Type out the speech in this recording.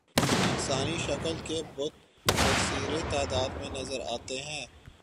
انسانی شکل کے بت کثیر تعداد میں نظر آتے ہیں